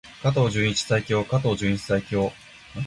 加藤純一最強！加藤純一最強！